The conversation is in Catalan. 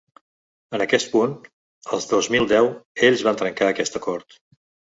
En aquest punt, el dos mil deu, ells van trencar aquest acord.